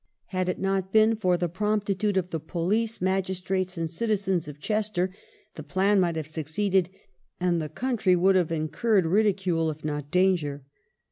Had it not been for the prompti tude of the police, magistrates, and citizens of Chester the plan might have succeeded, and the country would have incuiTed ridicule if not danger.